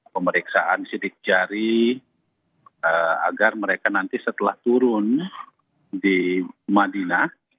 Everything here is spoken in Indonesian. pemeriksaan sidik jari agar mereka nanti setelah turun di madinah